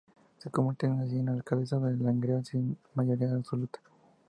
Se convirtió así en alcaldesa de Langreo, sin mayoría absoluta.